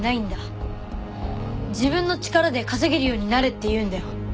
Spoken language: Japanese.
自分の力で稼げるようになれって言うんだよ。